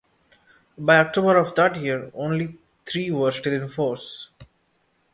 By October of that year only three were still in force.